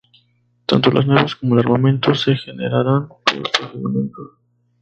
Tanto las naves como el armamento se generarán por procedimientos.